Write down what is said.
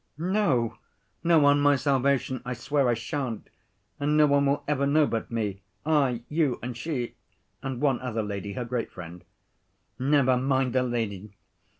"No, no, on my salvation I swear I shan't! And no one will ever know but me—I, you and she, and one other lady, her great friend." "Never mind the lady!